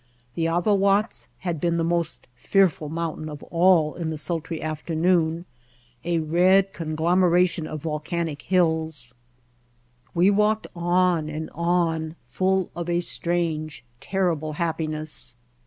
The Avawatz had been the most fearful mountain of all in the sultry afternoon, a red conglomeration of vol White Heart of Mojave canic hills. We walked on and on, full of a strange, terrible happiness.